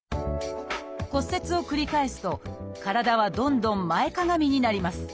骨折を繰り返すと体はどんどん前かがみになります。